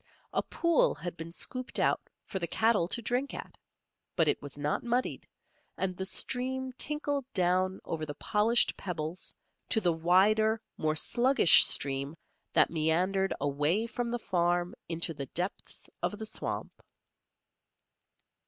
A pool had been scooped out for the cattle to drink at; but it was not muddied, and the stream tinkled down over the polished pebbles to the wider, more sluggish stream that meandered away from the farm into the depths of the swamp.